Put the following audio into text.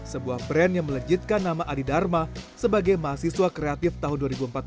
sebuah brand yang melejitkan nama adi dharma sebagai mahasiswa kreatif tahun dua ribu empat belas